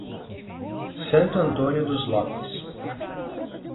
Santo Antônio dos Lopes